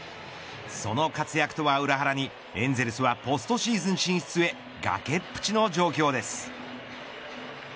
その活躍とは裏腹にエンゼルスはポストシーズン進出へ崖っぷちの状況です。